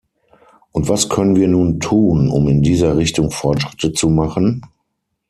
Und was können wir nun tun, um in dieser Richtung Fortschritte zu machen?